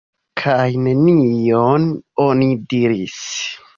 Kaj nenion oni diris.